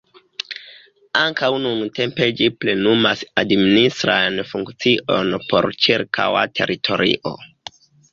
Ankaŭ nuntempe ĝi plenumas administrajn funkciojn por ĉirkaŭa teritorio.